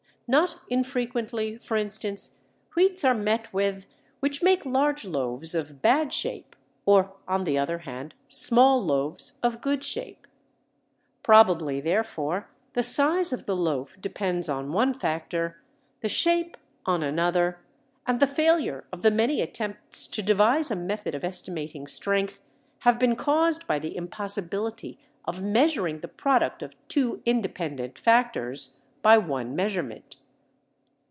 Not infrequently, for instance, wheats are met with which make large loaves of bad shape, or on the other hand, small loaves of good shape. Probably therefore the size of the loaf depends on one factor, the shape on another; and the failure of the many attempts to devise a method of estimating strength have been caused by the impossibility of measuring the product of two independent factors by one measurement.